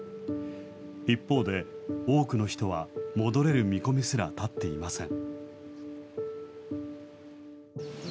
一方で、多くの人は戻れる見込みすら立っていません。